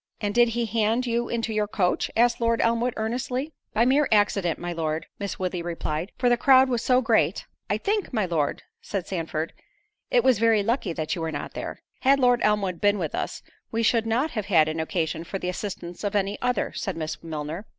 "And did he hand you into your coach?" asked Lord Elmwood earnestly. "By mere accident, my Lord," Miss Woodley replied, "for the crowd was so great——" "I think, my Lord," said Sandford, "it was very lucky that you were not there." "Had Lord Elmwood been with us, we should not have had occasion for the assistance of any other," said Miss Milner.